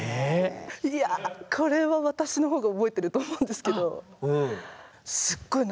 いやこれは私のほうが覚えてると思うんですけどすっごい